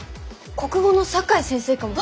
国語の酒井先生かも。